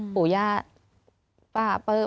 ปุ๊บย่าป้าป้า